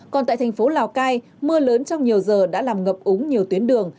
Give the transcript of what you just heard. còn tại thành phố lào cai mưa lớn trong nhiều giờ đã làm ngập úng nhiều tuyến đường